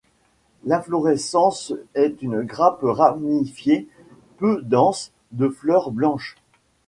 L'inflorescence est une grappe ramifiée, peu dense, de fleurs blanches.